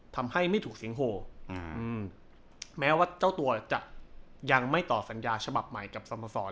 ทำให้ไม่ถูกเสียงโหแม้ว่าเจ้าตัวจะยังไม่ต่อสัญญาฉบับใหม่กับสมสร